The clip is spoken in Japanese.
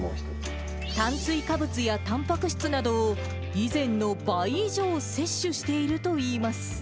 炭水化物やたんぱく質などを、以前の倍以上摂取しているといいます。